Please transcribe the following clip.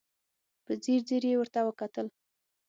په ځير ځير يې ورته وکتل.